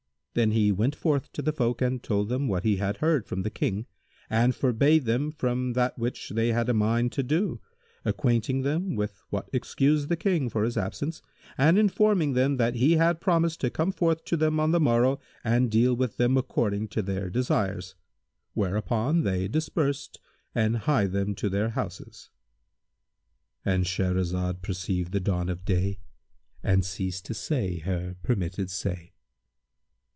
Then he went forth to the folk and told them what he had heard from the King and forbade them from that which they had a mind to do, acquainting them with what excused the King for his absence and informing them that he had promised to come forth to them on the morrow and deal with them according to their desires; whereupon they dispersed and hied them to their houses.—And Shahrazad perceived the dawn of day and ceased to say her permitted say.